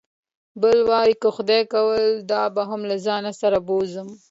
بل وار به که خدای کول دا هم له ځان سره بوځم.